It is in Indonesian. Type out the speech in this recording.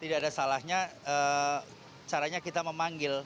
tidak ada salahnya caranya kita memanggil